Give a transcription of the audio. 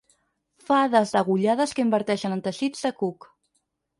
Fades degollades que inverteixen en teixits de cuc.